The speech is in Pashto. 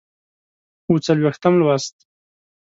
اووه څلوېښتم لوست